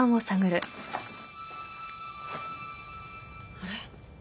あれ？